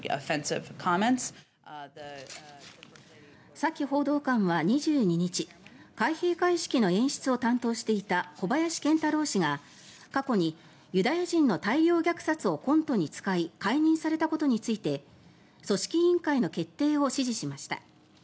サキ報道官は２２日開閉会式の演出を担当していた小林賢太郎氏が過去にユダヤ人の大量虐殺をコントに使い解任されたことについて組織委員会の決定を支持しました。